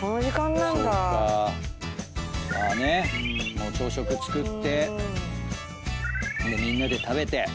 もう朝食作ってみんなで食べて。